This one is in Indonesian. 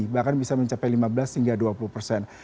bahkan bisa mencapai lima belas hingga dua puluh persen